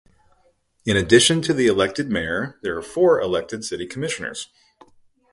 In addition to the elected mayor there are four elected city commissioners.